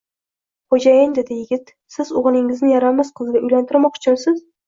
Xo`jayin, dedi yigit, siz o`g`lingizni yaramas qizga uylantirmoqchimisiz